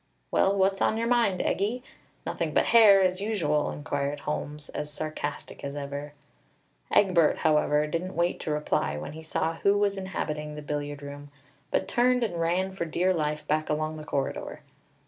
"Well, what's on your mind, Eggie? Nothing but hair, as usual!" inquired Holmes, as sarcastic as ever. Egbert, however, didn't wait to reply when he saw who was inhabiting the billiard room; but turned and ran for dear life back along the corridor.